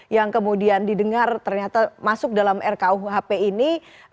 yang kemudian didengar ternyata masuk dalam rkuhp ini